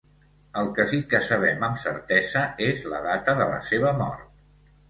El que sí que sabem amb certesa és la data de la seva mort.